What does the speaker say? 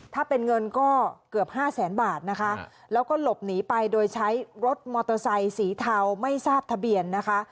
ถ้าเป็นเงินก็เกือบห้าแสนบาทนะคะแล้วก็หลบหนีไปโดยใช้รถมอเตอร์ไซค์สีเทาไม่ทราบทะเบียนนะคะ